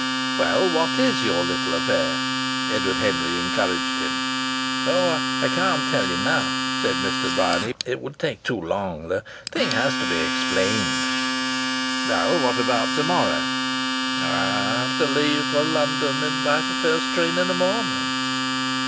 "Well, what is your little affair?" Edward Henry encouraged him. "Oh, I can't tell you now," said Mr. Bryany. "It would take too long. The thing has to be explained." "Well, what about to morrow?" "I have to leave for London by the first train in the morning."